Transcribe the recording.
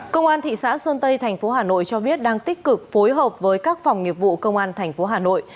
công an thị xã sơn tây thành phố hà nội cho biết đang tích cực phối hợp với các phòng nghiệp vụ công an tp hà nội